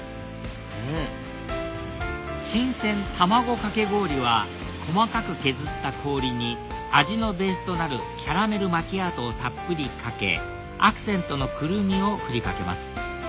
新鮮たまごかけ氷は細かく削った氷に味のベースとなるキャラメルマキアートをたっぷりかけアクセントのクルミを振りかけます